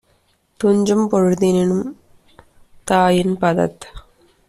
துஞ்சும் பொழுதினும் தாயின் - பதத்